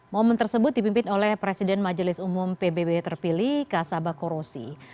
momen tersebut dipimpin oleh presiden majelis umum pbb terpilih kasabakorosi